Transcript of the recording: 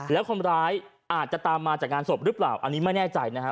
แล้วคนร้ายอาจจะตามมาจากงานศพหรือเปล่าอันนี้ไม่แน่ใจนะฮะ